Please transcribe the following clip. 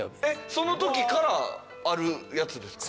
そのときからあるやつですか？